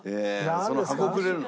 その箱くれるの？